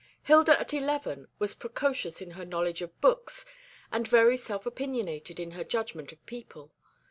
Hilda at eleven was precocious in her knowledge of books, and very self opinionated in her judgment of people.